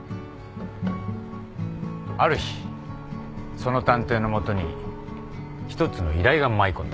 ある日その探偵の元に一つの依頼が舞い込んだ。